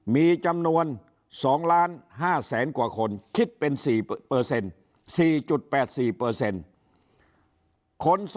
มีจำนวน๒๕๐๐๐๐๐คน